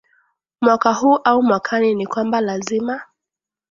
mwaka huu au mwakani ni kwamba lazima